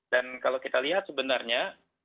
dan kalau kita lihat sebenarnya